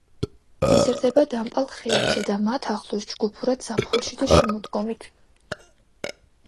იზრდება დამპალ ხეებზე და მათ ახლოს ჯგუფურად ზაფხულში და შემოდგომით.